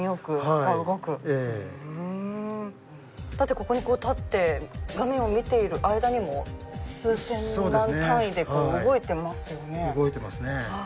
ここに立って、画面を見ている間にも数件の単位で動いていますよね。